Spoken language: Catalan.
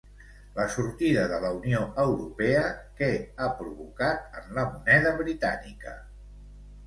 La sortida de la Unió Europea, què ha provocat en la moneda britànica?